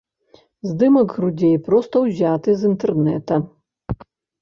Здымак грудзей проста ўзяты з інтэрнэта.